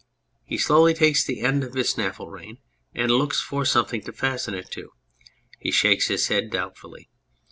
(He slowly takes the end of his snaffle rein and loots for something to fasten it to; he shakes his head doubtfully.